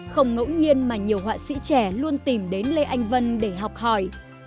không ngẫu nhiên mà nhiều họa sĩ trẻ luôn tìm đến lê anh vân để học hỏi